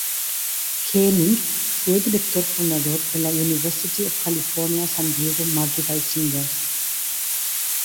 Keeling fue director fundador de la University of California San Diego Madrigal Singers.